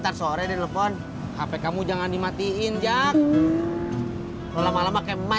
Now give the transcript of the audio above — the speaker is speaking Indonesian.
ya saya narik dulu ya